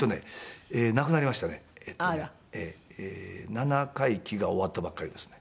７回忌が終わったばっかりですね。